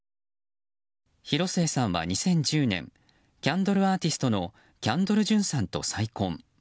広末さんは２０１０年キャンドルアーティストのキャンドル・ジュンさんと再婚。